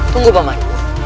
tunggu pak man